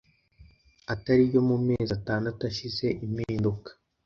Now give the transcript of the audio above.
atari yo mu mezi atandatu ashize impinduka